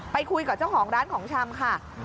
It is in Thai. ไปคุยกับเจ้าของร้านของชำค่ะ